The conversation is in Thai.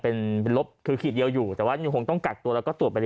เป็นลบคือขีดเดียวอยู่แต่ว่ายังคงต้องกักตัวแล้วก็ตรวจไปเร